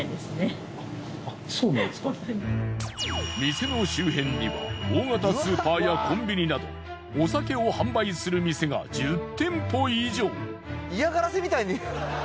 店の周辺には大型スーパーやコンビニなどお酒を販売する店が１０店舗以上。